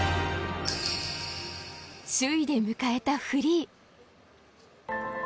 首位で迎えたフリー。